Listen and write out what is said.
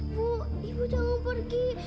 bu nak ibu jangan pergi